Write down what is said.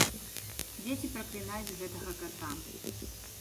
Дзеці праклінаюць гэтага ката.